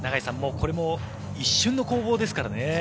これも一瞬の攻防ですからね。